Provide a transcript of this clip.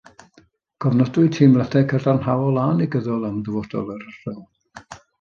Cofnodwyd teimladau cadarnhaol a negyddol am ddyfodol yr ardal